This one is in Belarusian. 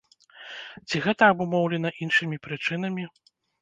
Ці гэта абумоўлена іншымі прычынамі?